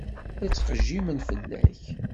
La ttqejjimen fell-ak.